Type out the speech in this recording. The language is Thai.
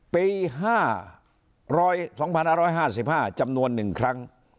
ปี๒๕๕๕จำนวน๑ครั้ง